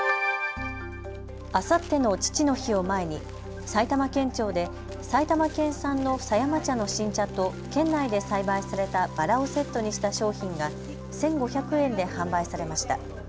あさっての父の日を前に埼玉県庁で埼玉県産の狭山茶の新茶と県内で栽培されたバラをセットにした商品が１５００円で販売されました。